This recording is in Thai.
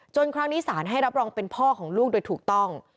ครั้งนี้สารให้รับรองเป็นพ่อของลูกโดยถูกต้อง